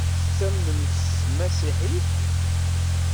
Tettamnem s tmasiḥit?